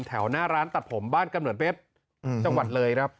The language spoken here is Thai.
แถวหน้าร้านตัดผมบ้านกำเนิดเว็บจังหวัดเลยครับ